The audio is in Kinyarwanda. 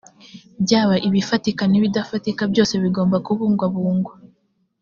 byaba ibifatika n ibidafatika byose bigomba kubungabungwa